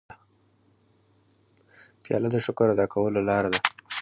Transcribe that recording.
پیاله د شکر ادا کولو لاره ده.